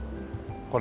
これ。